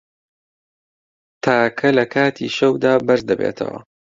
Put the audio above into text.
تاکە له کاتی شەودا بەرز دەبێتەوه